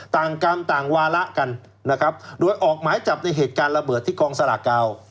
กรรมต่างวาระกันนะครับโดยออกหมายจับในเหตุการณ์ระเบิดที่กองสลากกาว